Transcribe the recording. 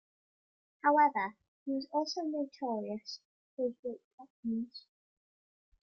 However, he was also notorious for his weight problems.